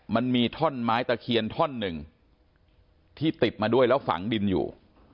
มันมีท่อนไม้ตะเคียนท่อนหนึ่งที่ติดมาด้วยแล้วฝังดินอยู่